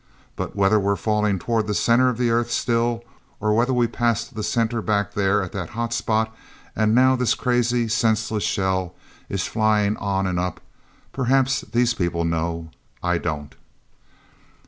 But whether we're falling toward the center of the earth still or whether we passed the center back there at that hot spot and now this crazy, senseless shell is flying on and up, perhaps these people know—I don't!"